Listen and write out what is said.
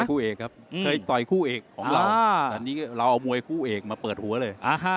คู่เอกครับเคยต่อยคู่เอกของเราแต่นี่เราเอามวยคู่เอกมาเปิดหัวเลย